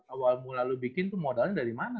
awal mula lu bikin tuh modalnya dari mana